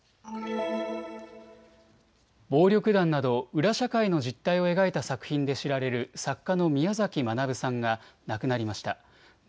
暴力団など裏社会の実態を描いた作品で知られる作家の宮崎学さんが亡くなりました。